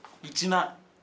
１万。